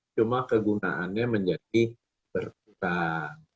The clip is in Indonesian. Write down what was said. cuma kegunaannya menjadi berkurang